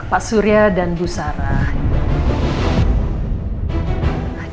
pak surya dan bu sarah